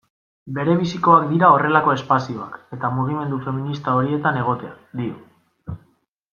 Berebizikoak dira horrelako espazioak, eta mugimendu feminista horietan egotea, dio.